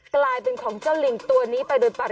กลายเป็นของเจ้าลิงตัวนี้